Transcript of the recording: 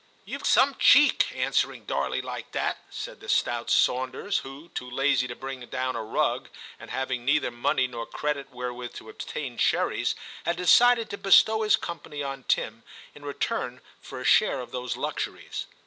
'You've some cheek, answering Darley like that,' said the stout Sawnders, who, too lazy to bring down a rug, and having neither money nor credit wherewith to obtain cherries, had decided to bestow his company on Tim in return for a share of those luxuries.